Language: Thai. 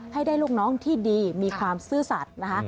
ให้ได้ลูกน้องที่ดีมีความซื่อสัตว์นะคะ